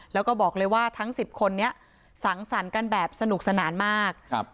แล้วก็บอกเลยว่าทั้งสิบคนนี้สังสรรค์กันแบบสนุกสนานมากครับ